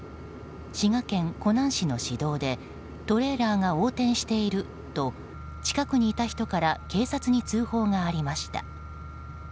滋賀県湖南市の市道でトレーラーが横転していると近くにいた人から警察に通報がありました。